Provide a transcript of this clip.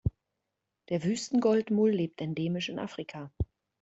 Der Wüstengoldmull lebt endemisch in Afrika.